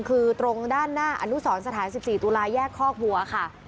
คือตรงด้านหน้าอนุสรสถาน๑๔ตุลาแยกคอกบัวค่ะ